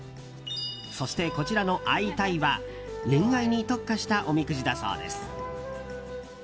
そして、こちらのあい鯛は恋愛に特化したおみくじだそうです。